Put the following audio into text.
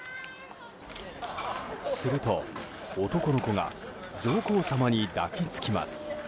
すると、男の子が上皇さまに抱き着きます。